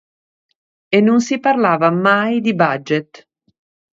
E non si parlava mai di budget.